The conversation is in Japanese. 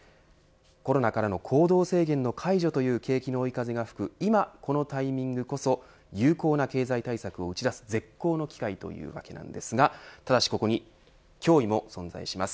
コロナからの行動制限の解除という景気の追い風が吹く今、このタイミングこそ有効な経済を打ち出す絶好の機会というわけなんですがただしここに脅威も存在します。